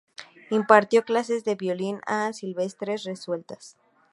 Impartió clases de violín a Silvestre Revueltas.